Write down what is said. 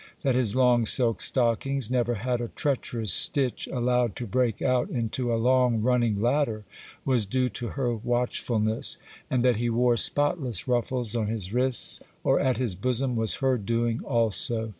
That his long silk stockings never had a treacherous stitch allowed to break out into a long running ladder was due to her watchfulness; and that he wore spotless ruffles on his wrists or at his bosom was her doing also.